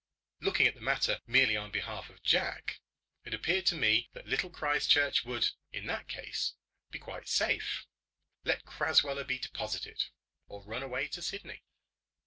Looking at the matter merely on behalf of Jack, it appeared to me that Little Christchurch would, in that case, be quite safe, let Crasweller be deposited, or run away to Sydney.